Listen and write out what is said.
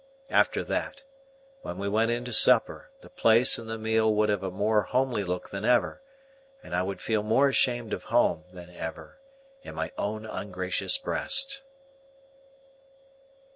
After that, when we went in to supper, the place and the meal would have a more homely look than ever, and I would feel more ashamed of home than ever, in my own ungracious breast.